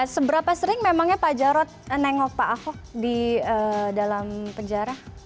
seberapa sering memangnya pak jarod nengok pak ahok di dalam penjara